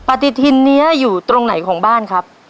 ปฏิทินนี้อยู่ตรงไหนของบ้านครับ